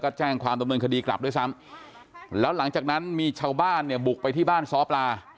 ก็แจ้งความดำเนินคดีกลับด้วยซ้ำแล้วหลังจากนั้นมีชาวบ้านเนี่ยบุกไปที่บ้านซ้อปลา